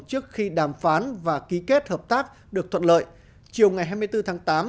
trước khi đàm phán và ký kết hợp tác được thuận lợi chiều ngày hai mươi bốn tháng tám